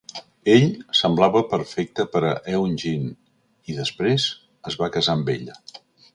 Ell semblava perfecte per a Eun-jin i després es va casar amb ella.